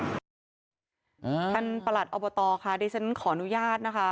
ประหลัดอบตค่ะดิฉันขออนุญาตนะคะ